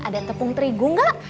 ada tepung terigu gak